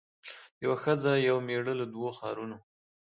یوه ښځه یو مېړه له دوو ښارونو